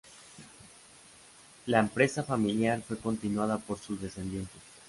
La empresa familiar fue continuada por sus descendientes.